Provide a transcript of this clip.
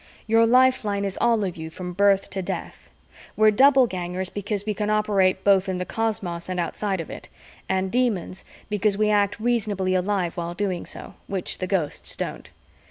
Your lifeline is all of you from birth to death. We're Doublegangers because we can operate both in the cosmos and outside of it, and Demons because we act reasonably alive while doing so which the Ghosts don't.